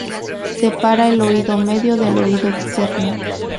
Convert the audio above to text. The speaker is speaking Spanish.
Separa el oído medio del oído externo.